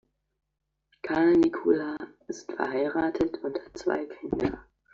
Karl Nicola ist verheiratet und hat zwei Kinder.